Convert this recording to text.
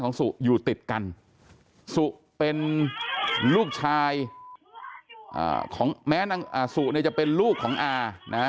ของสุอยู่ติดกันสุเป็นลูกชายแม้สุจะเป็นลูกของอานะ